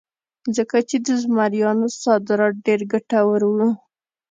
ځکه چې د مریانو صادرات ډېر ګټور وو.